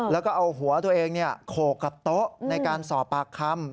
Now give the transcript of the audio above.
แล้วก็เอาหัวตัวเองโขกกับโต๊ะในการสอบปากคำ